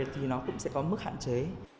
thì nó cũng sẽ có mức hạn chế